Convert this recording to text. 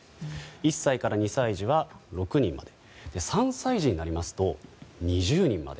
１歳から２歳児は６人まで３歳児になりますと２０人まで。